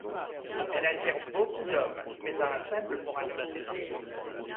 Elle attire beaucoup d'hommes, mais a un faible pour un officier.